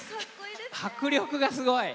迫力がすごい！